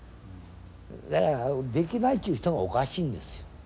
だからできないっちゅう人がおかしいんですよ。